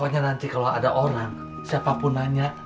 pokoknya nanti kalau ada orang siapapun nanya